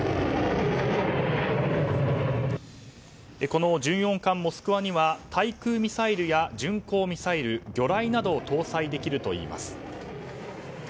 この巡洋艦「モスクワ」には対空ミサイルや巡航ミサイル魚雷などを搭載できるといいます。